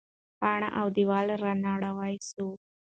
پاڼ او دیوال رانړاوه سو.